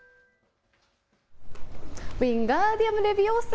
ウィンガーディアムレヴィオーサ。